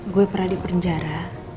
gue pernah di penjara